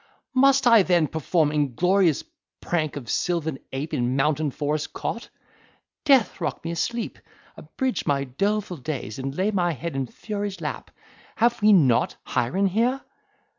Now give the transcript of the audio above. must I then perform inglorious prank of sylvan ape in mountain forest caught! Death rock me asleep, abridge my doleful days, and lay my head in fury's lap—Have we not Hiren here?"